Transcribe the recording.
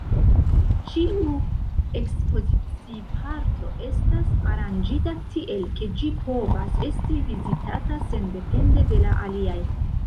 Ĉiu ekspozici-parto estas aranĝita tiel, ke ĝi povas esti vizitata sendepende de la aliaj.